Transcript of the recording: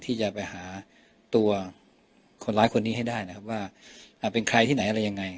ที่จะไปหาตัวคนร้ายคนนี้ให้ได้นะครับว่าเป็นใครที่ไหนอะไรยังไง